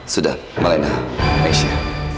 sudah malena mesya